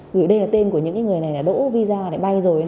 gửi đây là tên của những người này đỗ visa bay rồi